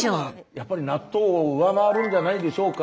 やっぱり納豆を上回るんじゃないでしょうか。